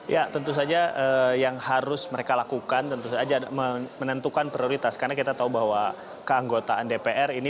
ya tentu saja yang harus mereka lakukan tentu saja menentukan prioritas karena kita tahu bahwa keanggotaan dpr ini